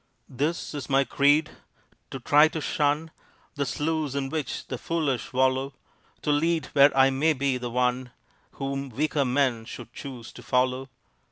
This is my creed: To try to shun The sloughs in which the foolish wallow; To lead where I may be the one Whom weaker men should choose to follow.